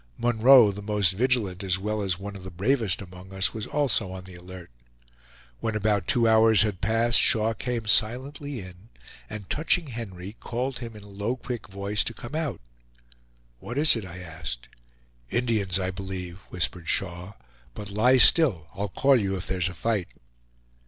Munroe, the most vigilant as well as one of the bravest among us, was also on the alert. When about two hours had passed, Shaw came silently in, and touching Henry, called him in a low quick voice to come out. "What is it?" I asked. "Indians, I believe," whispered Shaw; "but lie still; I'll call you if there's a fight."